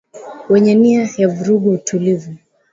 wenye nia ya kuvuruga utulivu